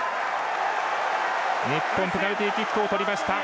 日本、ペナルティキックをとりました。